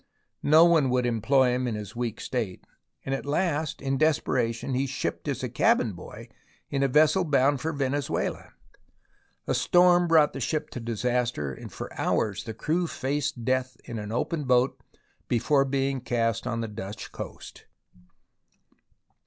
No one would employ him in his weak state, and at last in desperation he shipped as a cabin boy in a vessel bound for Venezuela. A storm brought the ship to disaster, and for hours the crew faced death in an open boat before being cast on the Dutch coast.